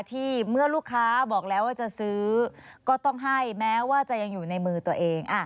เมื่อลูกค้าบอกแล้วว่าจะซื้อก็ต้องให้แม้ว่าจะยังอยู่ในมือตัวเอง